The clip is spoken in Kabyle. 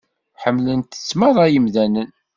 Ḥemmlen-tt meṛṛa yemdanen.